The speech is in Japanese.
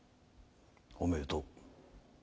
おめでとう。